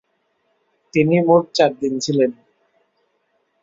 তিনি মোট চারদিন ছিলেন।